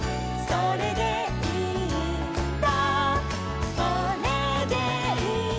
「それでいいんだ」